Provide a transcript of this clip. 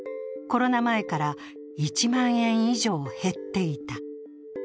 コロナ前から１万円以上減っていた。